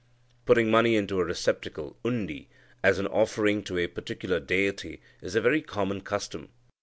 Putting money into a receptacle (undi) as an offering to a particular deity is a very common custom.